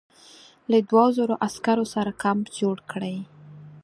له دوو زرو عسکرو سره کمپ جوړ کړی.